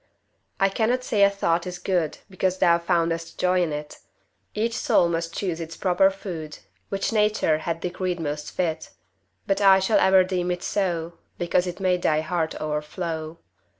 I cannot say a thought is good Because thou foundest joy in it; Each soul must choose its proper food Which Nature hath decreed most fit; But I shall ever deem it so Because it made thy heart o'erflow.